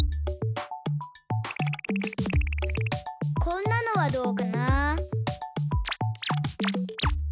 こんなのはどうかな。